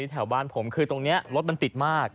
แถวบ้านผมคือตรงนี้รถมันติดมาก